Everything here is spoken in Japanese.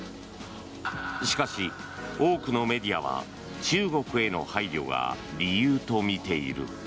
しかし、多くのメディアは中国への配慮が理由とみている。